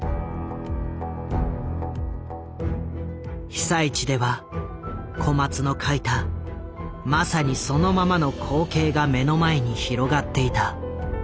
被災地では小松の書いたまさにそのままの光景が目の前に広がっていた。